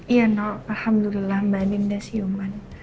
iya nol alhamdulillah mbak andien udah siuman